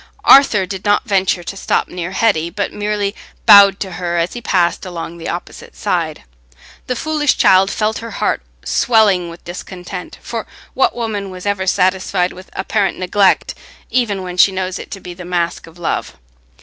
Arthur did not venture to stop near Hetty, but merely bowed to her as he passed along the opposite side. The foolish child felt her heart swelling with discontent; for what woman was ever satisfied with apparent neglect, even when she knows it to be the mask of love?